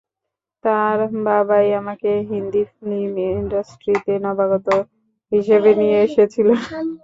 তাঁর বাবাই আমাকে হিন্দি ফিল্ম ইন্ডাস্ট্রিতে নবাগত হিসেবে নিয়ে এসেছিলেন।